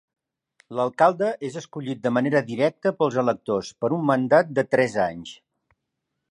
L'alcalde és escollit de manera directa pels electors per a un mandat de tres anys.